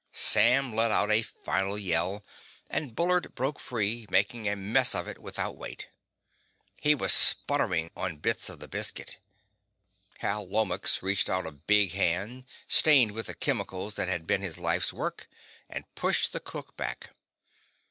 Sam let out a final yell, and Bullard broke free, making a mess of it without weight. He was sputtering out bits of the biscuit. Hal Lomax reached out a big hand, stained with the chemicals that had been his life's work, and pushed the cook back.